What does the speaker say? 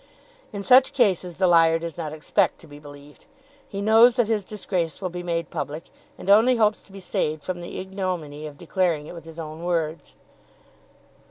In such cases the liar does not expect to be believed. He knows that his disgrace will be made public, and only hopes to be saved from the ignominy of declaring it with his own words.